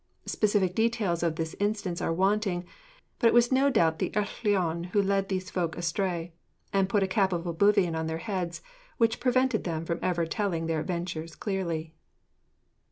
Specific details in this instance are wanting; but it was no doubt the Ellyllon who led all these folk astray, and put a cap of oblivion on their heads, which prevented them from ever telling their adventures clearly.